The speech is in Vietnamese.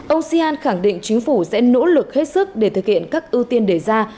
ông sian khẳng định chính phủ sẽ nỗ lực hết sức để thực hiện các ưu tiên đề ra